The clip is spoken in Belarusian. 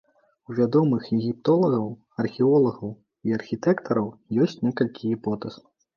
У вядомых егіптолагаў, археолагаў і архітэктараў ёсць некалькі гіпотэз.